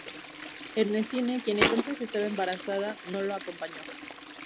Ernestine, quien entonces estaba embarazada, no lo acompañó.